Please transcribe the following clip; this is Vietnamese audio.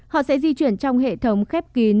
họ sẽ di chuyển trong hệ thống khép kín